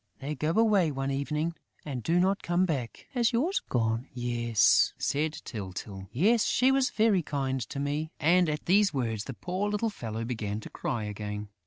"They go away one evening and do not come back." "Has yours gone?" "Yes," said Tyltyl. "She was very kind to me." And, at these words, the poor little fellow began to cry again.